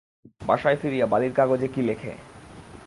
বাসায় ফিরিয়া বালির কাগজে কি লেখে।